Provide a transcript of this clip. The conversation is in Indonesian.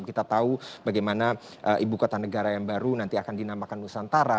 kita tahu bagaimana ibu kota negara yang baru nanti akan dinamakan nusantara